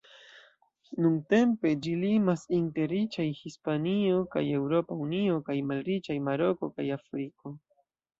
Nuntempe, ĝi limas inter riĉaj Hispanio kaj Eŭropa Unio kaj malriĉaj Maroko kaj Afriko.